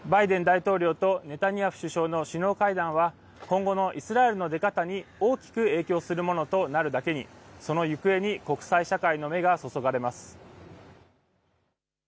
バイデン大統領とネタニヤフ首相の首脳会談は今後のイスラエルの出方に大きく影響するものとなるだけにその行方に国際社会の目が注がれます。